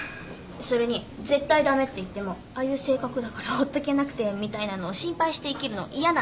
それに絶対駄目って言ってもああいう性格だからほっとけなくてみたいなのを心配して生きるの嫌なんです。